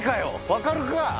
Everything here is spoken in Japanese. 分かるか！